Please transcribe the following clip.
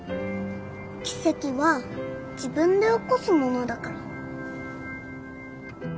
奇跡は自分で起こすものだから。